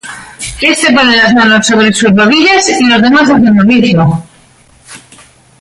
Este pone las manos sobre sus rodillas y los demás hacen lo mismo.